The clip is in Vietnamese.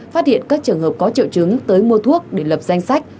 phát hiện các trường hợp có triệu chứng tới mua thuốc để lập danh sách